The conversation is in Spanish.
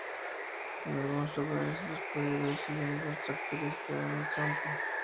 En algunos lugares se los puede ver siguiendo los tractores que aran el campo.